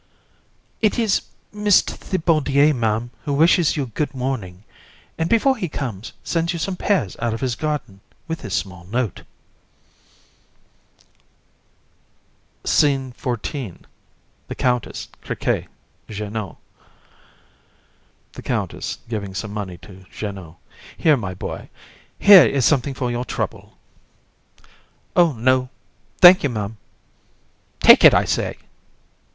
JEAN. It is Mr. Thibaudier, Ma'am, who wishes you good morning, and, before he comes, sends you some pears out of his garden, with this small note. SCENE XIV. THE COUNTESS, CRIQUET, JEANNOT. COUN. (giving some money to JEANNOT). Here, my boy; here is something for your trouble. JEAN. Oh no, thank you, Ma'am. COUN. Take it, I say.